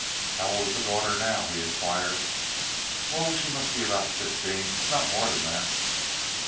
"How old is the daughter now?" he inquired. "Oh, she must be about fifteen—not more than that."